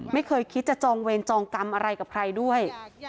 ไม่เคยคิดจะจองเวรจองกรรมอะไรกับใครด้วย